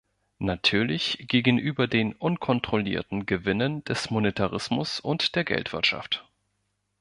Natürlich gegenüber den unkontrollierten Gewinnen des Monetarismus und der Geldwirtschaft.